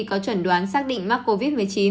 có chuẩn đoán xác định mắc covid một mươi chín